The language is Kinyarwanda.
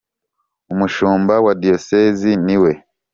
Umushumba wa Diyosezi ni we